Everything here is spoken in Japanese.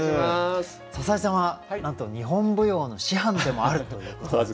篠井さんはなんと日本舞踊の師範でもあるということで。